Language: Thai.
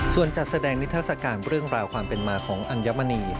ส่วนจัดแสดงนิทัศกาลเรื่องราวความเป็นมาของอัญมณี